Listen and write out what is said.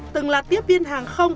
từng là tiếp viên hàng không